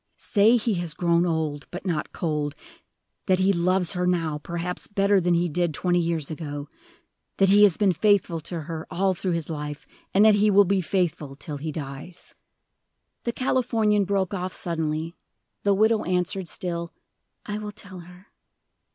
"Say he has grown old, but not cold; that he loves her now perhaps better than he did twenty years ago; that he has been faithful to her all through his life, and that he will be faithful till he dies." The Californian broke off suddenly. The widow answered still, "I will tell her."